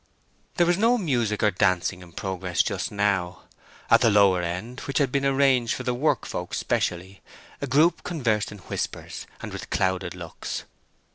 There was no music or dancing in progress just now. At the lower end, which had been arranged for the work folk specially, a group conversed in whispers, and with clouded looks.